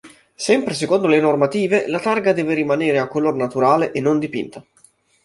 Sempre secondo le normative, la targa deve rimanere a colore naturale e non dipinta.